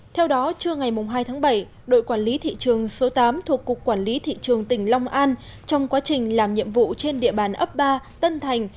theo đó trưa ngày hai tháng bảy đội quản lý thị trường số tám thuộc cục quản lý thị trường tỉnh long an trong quá trình làm nhiệm vụ trên địa bàn ấp ba tân thành